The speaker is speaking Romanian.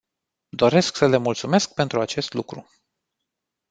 Doresc să le mulțumesc pentru acest lucru.